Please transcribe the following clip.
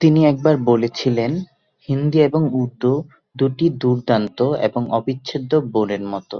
তিনি একবার বলেছিলেন, "হিন্দি এবং উর্দু দুটি দুর্দান্ত এবং অবিচ্ছেদ্য বোনের মতো"।